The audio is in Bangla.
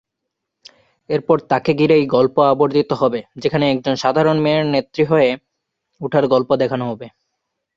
এরপর তাকে ঘিরেই গল্প আবর্তিত হবে যেখানে একজন সাধারণ মেয়ের নেত্রী হয়ে উঠার গল্প দেখানো হবে।